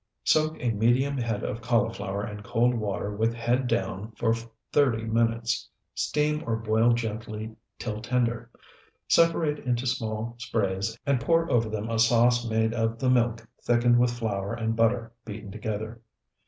Soak a medium head of cauliflower in cold water with head down for thirty minutes; steam or boil gently till tender; separate into small sprays and pour over them a sauce made of the milk thickened with flour and butter beaten together.